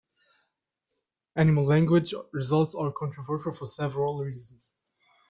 Animal Language results are controversial for several reasons.